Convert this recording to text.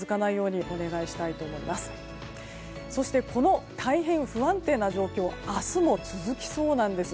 そして、この大変不安定な状況明日も続きそうなんです。